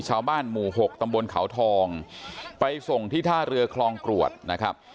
ชาวบ้านหมู่หกตำบลเขาทองไปส่งที่ท่าเรือคลองกรวดนะครับ